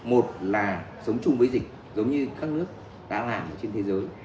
một là sống chung với dịch giống như các nước đã làm ở trên thế giới